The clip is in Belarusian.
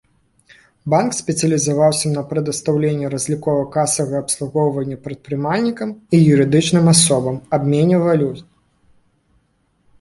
Банк спецыялізаваўся на прадастаўленні разлікова-касавага абслугоўвання прадпрымальнікам і юрыдычным асобам, абмене валют.